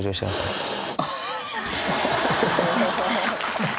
めっちゃショックこれ。